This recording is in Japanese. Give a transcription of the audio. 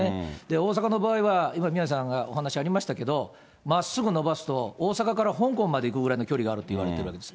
大阪の場合は、今、宮根さんからお話がありましたけれども、まっすぐ伸ばすと、大阪から香港まで行くぐらいの距離があるっていわれています。